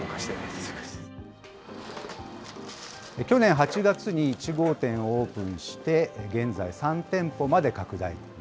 去年８月に１号店をオープンして、現在３店舗まで拡大。